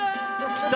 きた！